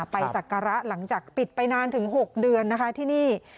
ศักระหลังจากปิดไปนานถึง๖เดือนนะคะที่นี่